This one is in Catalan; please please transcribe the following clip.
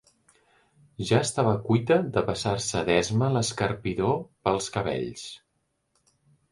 Ja estava cuita de passar-se d'esma l'escarpidor pels cabells.